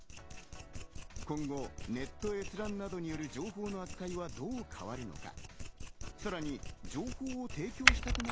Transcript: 今後、ネット閲覧などによる情報の扱いはどう変わるのか。